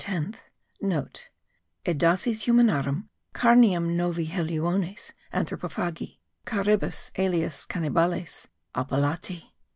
(* Edaces humanarum carnium novi helluones anthropophagi, Caribes alias Canibales appellati.)